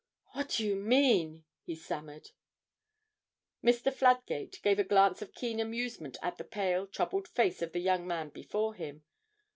'What do you mean?' he stammered. Mr. Fladgate gave a glance of keen amusement at the pale troubled face of the young man before him.